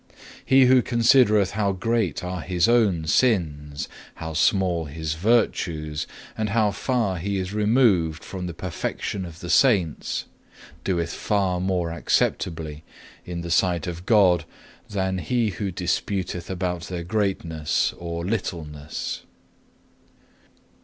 He who considereth how great are his own sins, how small his virtues, and how far he is removed from the perfection of the Saints, doeth far more acceptably in the sight of God, than he who disputeth about their greatness or littleness.